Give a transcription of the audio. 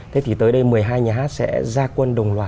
thế thì tới đây một mươi hai nhà hát sẽ ra quân đồng loạt